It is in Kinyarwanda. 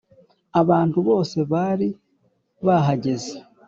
abantu bose bari bahageze